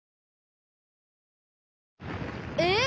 えっ！？